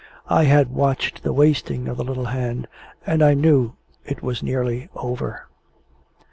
I had watched the wasting of the little hand, and I knew it was nearly over.